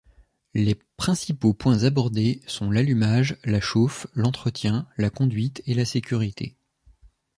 Les principaux points abordés sont l’allumage, la chauffe, l’entretien, la conduite et la sécurité.